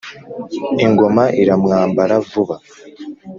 ingoma iramwambara vuba.